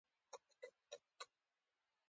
سپین ږیري او سپین سرې ناستې وي.